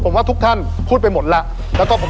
ผมว่าทุกท่านพูดไปหมดแล้ว